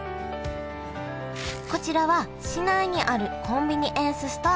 こちらは市内にあるコンビニエンスストア